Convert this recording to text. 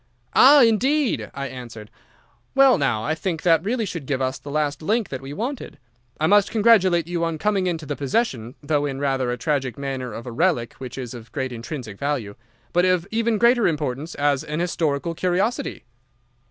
"'Ah, indeed!' I answered. 'Well now, I think that really should give us the last link that we wanted. I must congratulate you on coming into the possession, though in rather a tragic manner of a relic which is of great intrinsic value, but of even greater importance as an historical curiosity.